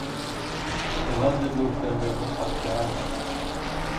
Ýyganja böwürslenlerini satýardy.